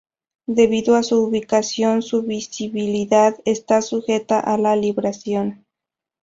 Debido a su ubicación, su visibilidad está sujeta a la libración.